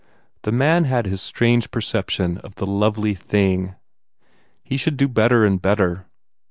The man had this strange perception of the lovely thing. He should do better and better.